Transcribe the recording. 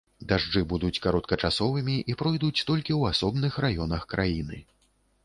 Дажджы будуць кароткачасовымі і пройдуць толькі ў асобных раёнах краіны.